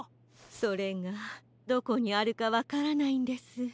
それがどこにあるかわからないんです。